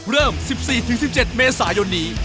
เริ่ม๑๔๑๗เมษายนนี้